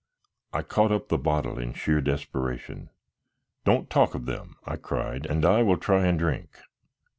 I caught up the bottle in sheer desperation. "Don't talk of them," I cried, "and I will try and drink.